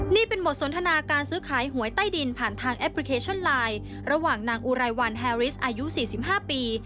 นี่เป็นบทสนทนาการซื้อขายหวยใต้ดินผ่านทางแอปพลิเคชันไลน์ระหว่างนางอุไรวันแฮริสอายุ๔๕ปี